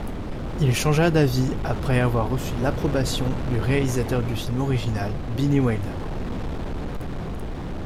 Il changera d'avis après avoir reçu l'approbation du réalisateur du film original, Billy Wilder.